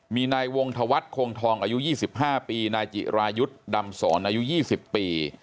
มีนายวงธวัฒน์โคงทองอายุ๒๕ปีนายจิรายุทธ์ดำสอนอายุ๒๐ปี